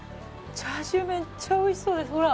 チャーシューめっちゃおいしそうですほら